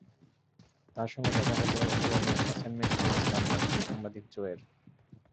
তার সঙ্গে দেখা হলো রোমে অ্যাসাইনমেন্ট নিয়ে আসা মার্কিন সাংবাদিক জোয়ের।